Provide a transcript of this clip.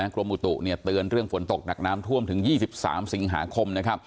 กรมอุตุเตือนเรื่องฝนตกหนักน้ำท่วมถึง๒๓สิงหาคม